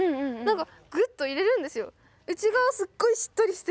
なんかグッと入れるんですよ。